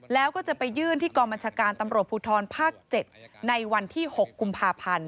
แล้วก็จะไปยื่นที่กองบัญชาการตำรวจภูทรภาค๗ในวันที่๖กุมภาพันธ์